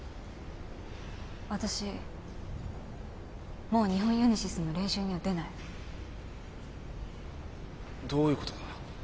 私もう日本ユニシスの練習には出ないどういうことだ？